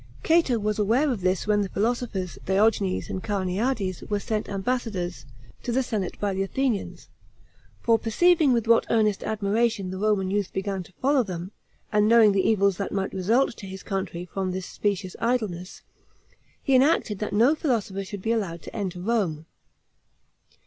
Cato was aware of this when the philosophers, Diogenes and Carneades, were sent ambassadors to the senate by the Athenians; for perceiving with what earnest admiration the Roman youth began to follow them, and knowing the evils that might result to his country from this specious idleness, he enacted that no philosopher should be allowed to enter Rome.